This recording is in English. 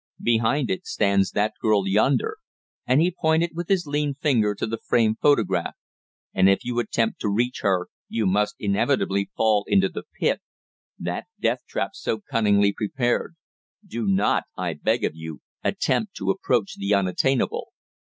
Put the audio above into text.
Behind it stands that girl yonder" and he pointed with his lean finger to the framed photograph "and if you attempt to reach her you must inevitably fall into the pit that death trap so cunningly prepared. Do not, I beg of you, attempt to approach the unattainable."